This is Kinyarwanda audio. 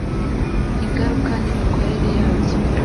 ingaruka n imikorere yabyo